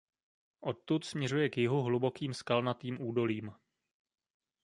Odtud směřuje k jihu hlubokým skalnatým údolím.